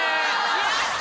やった！